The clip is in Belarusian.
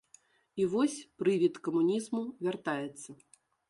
І вось прывід камунізму вяртаецца.